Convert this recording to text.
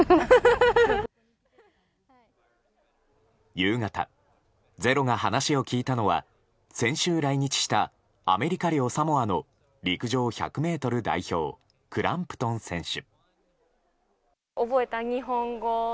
夕方「ｚｅｒｏ」が話を聞いたのは先週来日したアメリカ領サモアの陸上１００ｍ代表クランプトン選手。